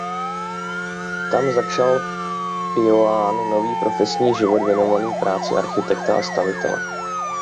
Tam začal Pijoán nový profesní život věnovaný práci architekta a stavitele.